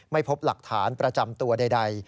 ไม่พบหลักฐานประจำตัวใด